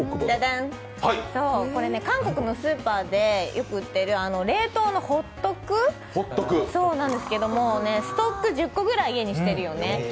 そう、これ韓国のスーパーでよく売っている冷凍のホットクなんですけども、ストック１０個ぐらい、家にしてるよね。